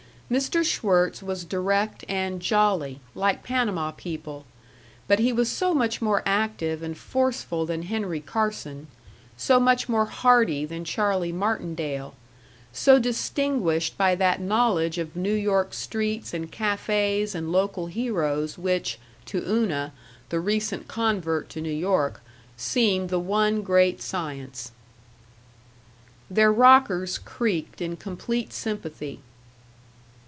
Mr. Schwirtz was direct and "jolly," like Panama people; but he was so much more active and forceful than Henry Carson; so much more hearty than Charlie Martindale; so distinguished by that knowledge of New York streets and cafés and local heroes which, to Una, the recent convert to New York, seemed the one great science. Their rockers creaked in complete sympathy.